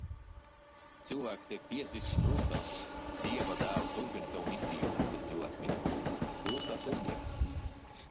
Cilvēks tiek piesists krustā. Dieva dēls turpina savu misiju, bet cilvēks mirst. Klusā sestdiena.